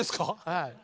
はい。